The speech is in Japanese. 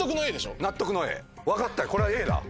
分かったこれは。